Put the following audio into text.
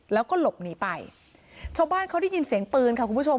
แล้วก็หลบหนีไปชาวบ้านเขาได้ยินเสียงปืนค่ะคุณผู้ชม